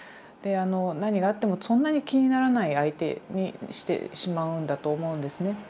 何があってもそんなに気にならない相手にしてしまうんだと思うんですね。